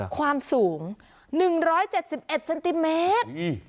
ความสูง๑๗๑เซนติเมตร